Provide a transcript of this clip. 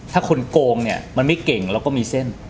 ถ้าคนโกงเนี่ยมันไม่เก่งเราก็มีเส้น